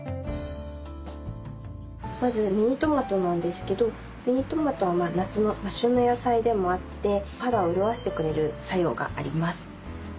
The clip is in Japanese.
まずミニトマトなんですけどミニトマトは夏の旬の野菜でもあって肌を潤してくれる作用があります。